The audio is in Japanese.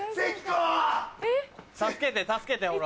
助けて助けてほら。